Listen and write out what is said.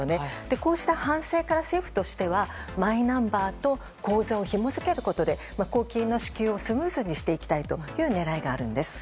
こうした反省から、政府としてはマイナンバーと口座をひも付けることで公金の支給をスムーズにしていきたいという狙いがあるんです。